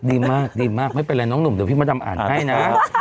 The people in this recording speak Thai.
ดีมากดีมากไม่เป็นไรน้องหนุ่มเดี๋ยวพี่มดดำอ่านให้นะ